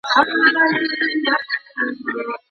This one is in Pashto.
ولي زیارکښ کس د لایق کس په پرتله بریا خپلوي؟